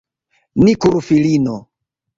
Ni kuru, filino!